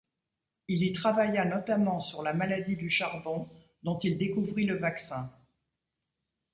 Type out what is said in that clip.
Il y travailla notamment sur la maladie du charbon, dont il découvrit le vaccin.